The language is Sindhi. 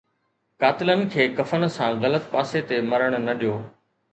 قاتلن کي ڪفن سان غلط پاسي تي مرڻ نه ڏيو